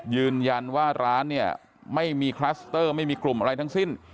ยืนยันว่าร้านเนี่ยไม่มีคลัสเตอร์ไม่มีกลุ่มอะไรทั้งสิ้น